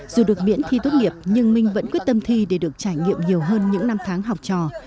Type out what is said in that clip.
dù được miễn thi tốt nghiệp nhưng minh vẫn quyết tâm thi để được trải nghiệm nhiều hơn những năm tháng học trò